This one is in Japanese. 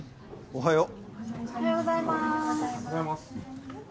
おはよう。